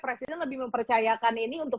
presiden lebih mempercayakan ini untuk